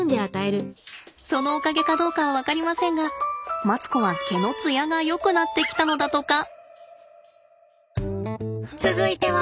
そのおかげかどうかは分かりませんがマツコは毛のつやがよくなってきたのだとか。